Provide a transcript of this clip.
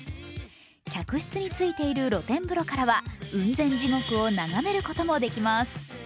客室についている露天風呂からは雲仙地獄を眺めることもできます。